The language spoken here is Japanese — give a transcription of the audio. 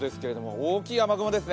大きい雨雲ですね。